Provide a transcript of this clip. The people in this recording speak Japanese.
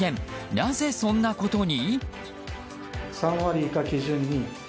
なぜそんなことに。